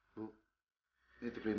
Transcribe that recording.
bu ini itu prima ya